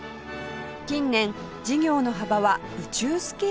近年事業の幅は宇宙スケールにまで拡大